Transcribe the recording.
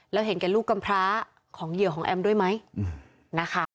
แล้วเห็นแก่ลูกกำพร้าของเหยื่อของแอมด้วยไหมนะคะ